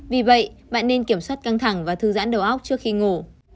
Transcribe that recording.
vì vậy bạn nên kiểm soát căng thẳng và thư giãn đầu óc trước khi ngủ